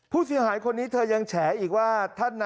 ผู้เสียหายคนนี้เธอยังแฉอีกว่า